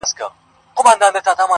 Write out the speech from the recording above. • گرانه په دغه سي حشر كي جــادو.